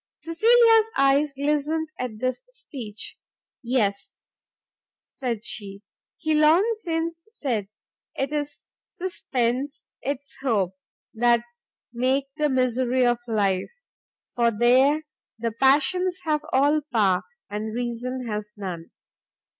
Cecilia's eyes glistened at this speech; "Yes," said she, "he long since said 'tis suspence, 'tis hope, that make the misery of life, for there the Passions have all power, and Reason has none.